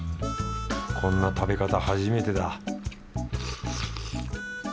こんな食べ方初めてだ